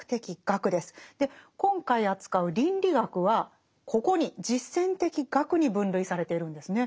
今回扱う倫理学はここに実践的学に分類されているんですね。